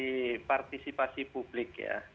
dari partisipasi publik ya